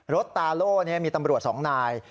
รถตาโล่เนี่ยมีตำรวจสองนาย